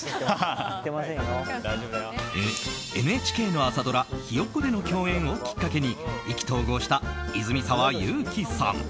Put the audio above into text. ＮＨＫの朝ドラ「ひよっこ」での共演をきっかけに意気投合した泉澤祐希さん。